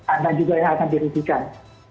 ada juga yang akan dirugikan